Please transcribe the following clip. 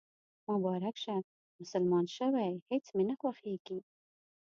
مبارک شه، مسلمان شوېهیڅ مې نه خوښیږي